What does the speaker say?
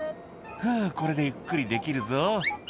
「はぁこれでゆっくりできるぞ」